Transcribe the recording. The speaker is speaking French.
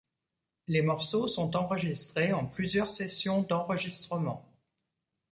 Les morceaux sont enregistrés en plusieurs sessions d'enregistrement.